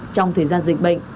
trong thời gian dịch bệnh